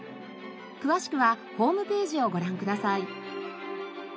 詳しくはホームページをご覧ください。